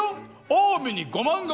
近江に５万石。